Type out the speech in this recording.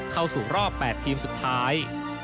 เข้าสู่รอบ๘ทีมสุดท้าย